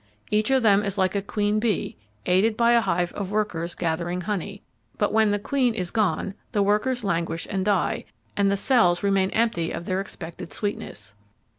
Each of them is like a queen bee, aided by a hive of workers gathering honey; but when the queen is gone the workers languish and die, and the cells remain empty of their expected sweetness.